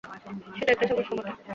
সেটা একটা সমস্যা বটে।